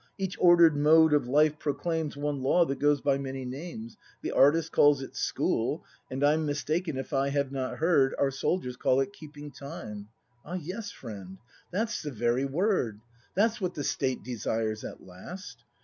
Each order'd mode of life proclaims One Law, that goes by many names. The Artist calls it School, and I'm Mistaken if I have not heard Our soldiers call it keeping time. Ah yes, friend, that's the very word! That's what the State desires at last!